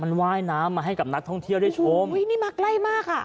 มันว่ายน้ำมาให้กับนักท่องเที่ยวได้ชมอุ้ยนี่มาใกล้มากอ่ะ